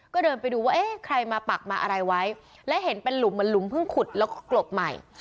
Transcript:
ก็เดินไปดูว่าเอ๊ะใครมาปักมาอะไรไว้และเห็นเป็นหลุมเหมือนหลุมเพิ่งขุดแล้วก็กลบใหม่